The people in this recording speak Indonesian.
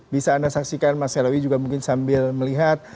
bisa anda saksikan mas hellowi juga mungkin sambil melihat